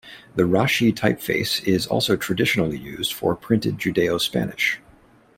The Rashi typeface is also traditionally used for printed Judaeo-Spanish.